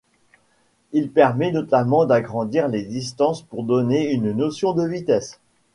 Il permet notamment d'agrandir les distances pour donner une notion de vitesse.